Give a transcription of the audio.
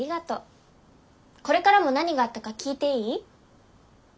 これからも何があったか聞いていい？